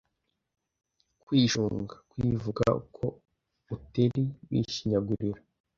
kwishunga: kwivuga uko uteri wishinyagurira